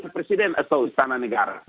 presiden atau istana negara